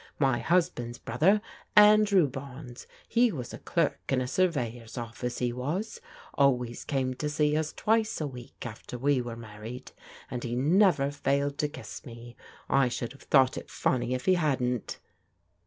My husband's brother, Andrew Barnes, he was a clerk in a surveyor's office, he was, always came to see us twice a week after we were married, and he never failed to kiss me. I should have thought it funny if he hadn't."